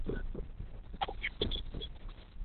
同治十二年以审理杨乃武与小白菜一案闻名。